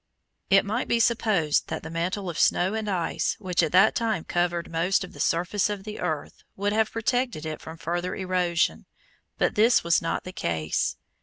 It might be supposed that the mantle of snow and ice which at that time covered most of the surface of the earth would have protected it from further erosion, but this was not the case.